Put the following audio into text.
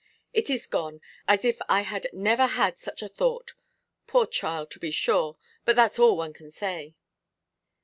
It is gone, as if I had never had such a thought. Poor child, to be sure; but that's all one can say.